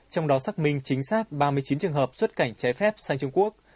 trong đó xác minh chính xác ba mươi chín trường hợp xuất cảnh trái phép sang trung quốc